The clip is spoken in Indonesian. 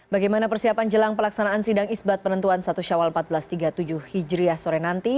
bagaimana persiapan jelang pelaksanaan sidang isbat penentuan satu syawal seribu empat ratus tiga puluh tujuh hijriah sore nanti